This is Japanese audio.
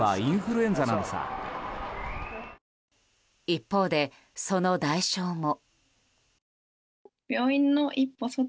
一方で、その代償も。